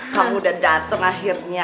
kamu udah dateng akhirnya